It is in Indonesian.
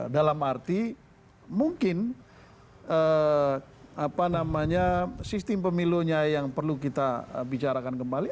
dalam arti mungkin apa namanya sistem pemilihnya yang perlu kita bicarakan kembali